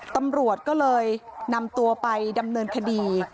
ตำรวจก็เลยนำตัวไปดำเนินคดี